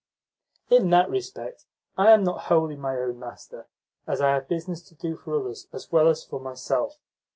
"In that respect I am not wholly my own master, as I have business to do for others as well as for myself.